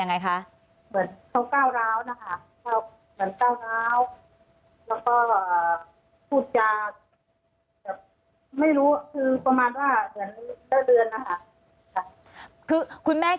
อันดับที่สุดท้าย